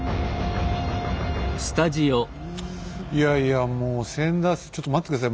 いやいやもう千田ちょっと待って下さい